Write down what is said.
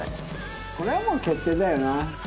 これはもう決定だよな。